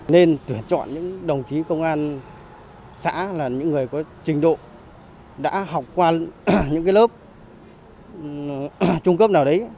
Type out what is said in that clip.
nên tuyển chọn những đồng chí công an xã là những người có trình độ đã học qua những lớp ở trung cấp nào đấy